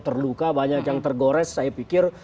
terluka banyak yang tergores saya pikir